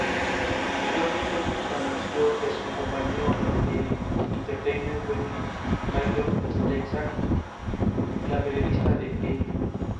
Posteriormente anunció que su compañero en Entertainment Weekly Michael Slezak, la periodista de E!